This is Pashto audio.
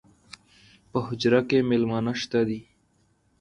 پۀ حجره کې میلمانۀ شته دي